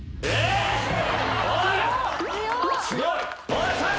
おい！